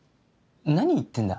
何言ってんだ？